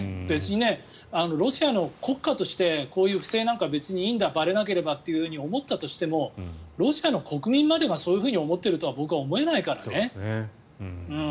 別にロシアの国家としてこういう不正なんか別にいいんだ、ばれなければと思ったとしてもロシアの国民までがそう思っているとは僕は思えないからね。